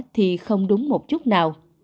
thì không đúng một chút nào